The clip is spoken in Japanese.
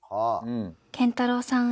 「健太郎さんへ」